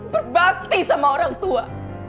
berbakti sama orang tua